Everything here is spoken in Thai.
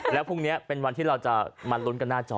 แล้วพรุ่งนี้เป็นวันที่เราจะมาลุ้นกันหน้าจอ